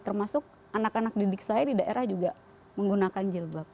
termasuk anak anak didik saya di daerah juga menggunakan jilbab